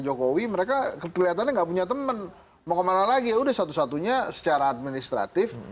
jokowi mereka kelihatannya nggak punya temen mau kemana lagi udah satu satunya secara administratif